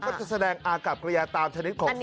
ก็จะแสดงอากาศกระยะตามชนิดของสัตว์